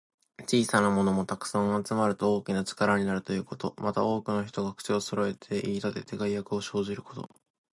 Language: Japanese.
小さなものも、たくさん集まると大きな力になるということ。また、多くの人が口をそろえて言いたてて、害悪を生じること。